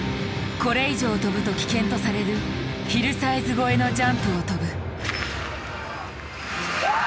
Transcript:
これ以上飛ぶと危険とされるヒルサイズ越えのジャンプを飛ぶ。